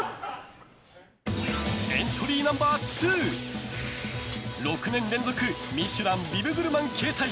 エントリーナンバー２６年連続「ミシュラン」ビブグルマン掲載。